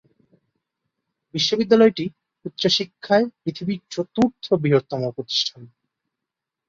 বিশ্ববিদ্যালয়টি উচ্চশিক্ষায় পৃথিবীর চতুর্থ বৃহত্তম প্রতিষ্ঠান।